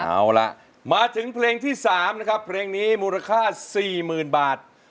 เอาล่ะมาถึงเพลงที่๓นะครับเพลงนี้มูลค่า๔๐๐๐บาท